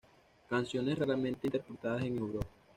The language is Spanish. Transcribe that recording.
Canciones Raramente Interpretadas en Europa